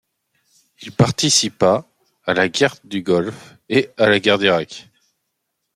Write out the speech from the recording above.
Il participa à la Guerre du Golfe et à la Guerre d'Irak.